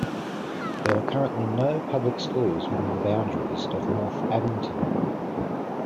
There are currently no public schools within the boundaries of North Abington.